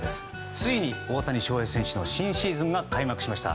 ついに大谷翔平選手の新シーズンが開幕しました。